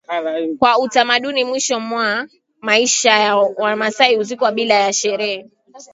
Kwa utamaduni mwishoni mwa maisha yao Wamasai huzikwa bila ya sherehe